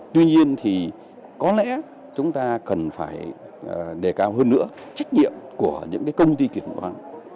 tuy nhiên thì có lẽ chúng ta cần phải đề cao hơn nữa trách nhiệm của những công ty kiểm toán